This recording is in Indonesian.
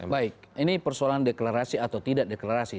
baik ini persoalan deklarasi atau tidak deklarasi